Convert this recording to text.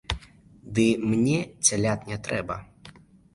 Ды мне цялят не трэба!